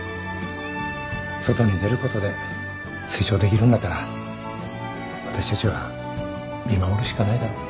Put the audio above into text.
外に出ることで成長できるんだったら私たちは見守るしかないだろ。